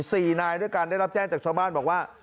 สี่นายด้วยกันได้รับแจ้งจากชาวบ้านบอกว่า